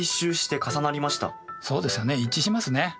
そうですよね一致しますね。